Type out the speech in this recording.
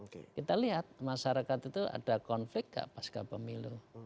kita lihat masyarakat itu ada konflik kak paska pemilu